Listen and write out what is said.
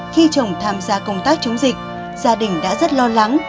khi chồng tham gia công tác chống dịch gia đình đã rất lo lắng